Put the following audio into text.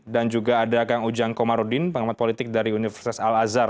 dan juga ada kang ujang komarudin pengamat politik dari universitas al azhar